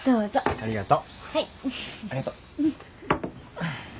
ありがとう。